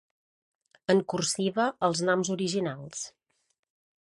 En cursiva els noms originals.